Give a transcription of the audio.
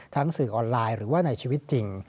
สื่อออนไลน์หรือว่าในชีวิตจริง